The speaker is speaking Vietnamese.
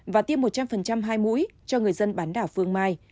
và tiêm một trăm linh hai mũi cho người dân bán đảo phương mai